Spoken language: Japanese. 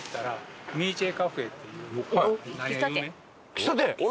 喫茶店！